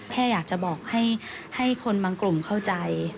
แค่อยากจะบอกให้คนบางกลุ่มเข้าใจ